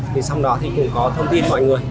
thì sau đó thì cũng có thông tin mọi người